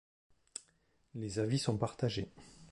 Les avis sont partagés.